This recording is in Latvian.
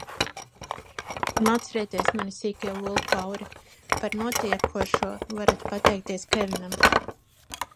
Un atcerieties, mani sīkie olu pauri, par notiekošo varat pateikties Kevinam!